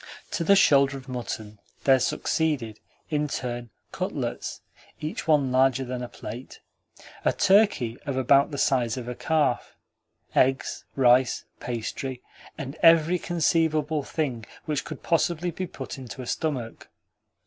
To the shoulder of mutton there succeeded, in turn, cutlets (each one larger than a plate), a turkey of about the size of a calf, eggs, rice, pastry, and every conceivable thing which could possibly be put into a stomach.